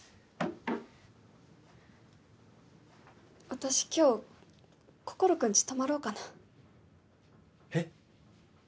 私今日心くんち泊まろうかなえっ？